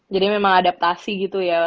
jadi memang adaptasi gitu ya